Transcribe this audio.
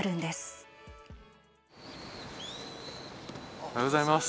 おはようございます。